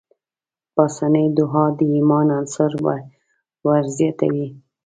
پاسنۍ دعا د ايمان عنصر ورزياتوي.